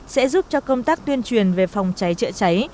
sẽ giúp cho công tác tuyên truyền về phòng cháy chữa cháy